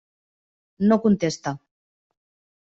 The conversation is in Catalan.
No contesta.